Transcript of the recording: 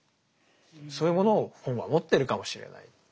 そういうものを本は持ってるかもしれない。